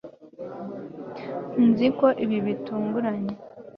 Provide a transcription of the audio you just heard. nzi ko ibi bitunguranye